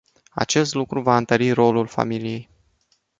Acest lucru va întări rolul familiei.